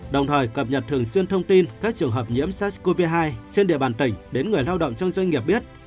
đồng thời cập nhật thường xuyên thông tin các trường hợp nhiễm sars cov hai trên địa bàn tỉnh đến người lao động trong doanh nghiệp biết